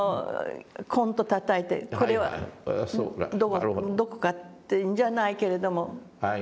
コンとたたいて「これはどこか」というんじゃないけれども。